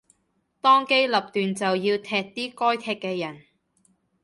當機立斷就要踢啲該踢嘅人